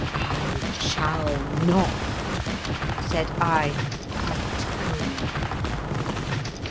" I shall not! " said I, quite cold.